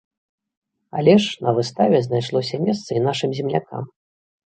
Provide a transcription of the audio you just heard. Але ж на выставе знайшлося месца і нашым землякам.